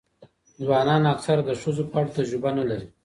ځوانان اکثره د ښځو په اړه تجربه نه لري.